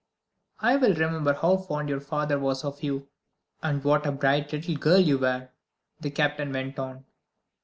"I well remember how fond your father was of you, and what a bright little girl you were," the Captain went on.